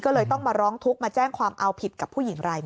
ก็เลยต้องมาร้องทุกข์มาแจ้งความเอาผิดกับผู้หญิงรายหนึ่ง